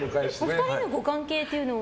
お二人のご関係というのは？